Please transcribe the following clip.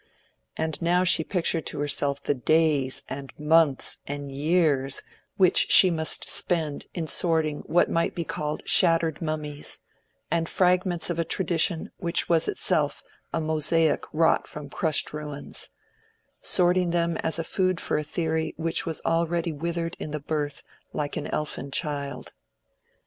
And now she pictured to herself the days, and months, and years which she must spend in sorting what might be called shattered mummies, and fragments of a tradition which was itself a mosaic wrought from crushed ruins—sorting them as food for a theory which was already withered in the birth like an elfin child.